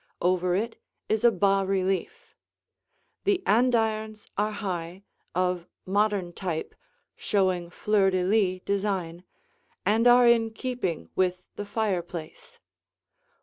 Over it is a bas relief. The andirons are high, of modern type, showing fleur de lis design, and are in keeping with the fireplace.